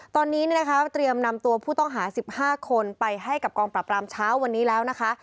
ตอนนี้นะคะเตรียมนำตัวผู้ต้องหา๑๕คนไปให้กับกองปรับรามเช้าวันนี้แล้วนะคะ